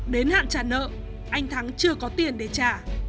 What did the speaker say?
đến hạn trả nợ anh thắng chưa có tiền để trả